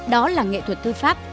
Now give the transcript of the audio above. đó là nghệ thuật thư pháp